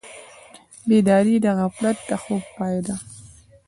بیداري د غفلت د خوب پای دی.